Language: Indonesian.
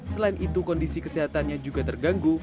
selain itu kondisi kesehatannya juga terganggu